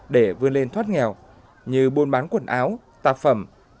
để vươn lên thoát nghèo như buôn bán quần áo tạp phẩm